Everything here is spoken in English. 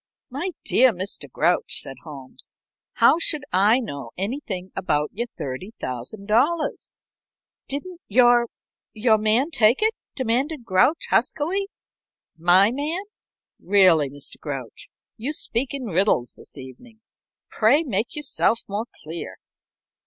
"My dear Mr. Grouch," said Holmes, "how should I know anything about your $30,000?" "Didn't your your man take it?" demanded Grouch, huskily. "My man? Really, Mr. Grouch, you speak in riddles this evening. Pray make yourself more clear."